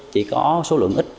chỉ có số lượng ít